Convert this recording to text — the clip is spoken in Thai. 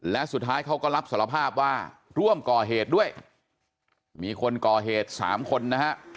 และสุดท้ายเขาก็รับสารภาพว่าร่วมก่อเหตุด้วยมีคนก่อเหตุสามคนนะฮะ